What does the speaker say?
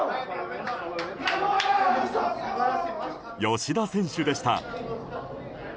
吉田選手でした。